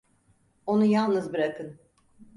Onu yalnız bırakın!